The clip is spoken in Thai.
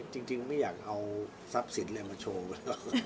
จริงไม่อยากเอาทรัพย์สิทธิ์เลยมาโชว์กันหรอก